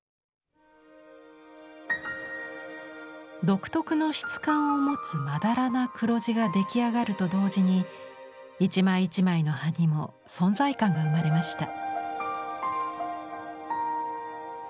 独特の質感を持つまだらな黒地が出来上がると同時に一枚一枚の葉にも存在感が生まれました。